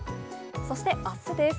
そしてあすです。